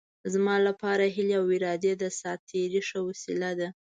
زما لپاره هیلې او ارادې د ساعت تېرۍ ښه وسیله ده.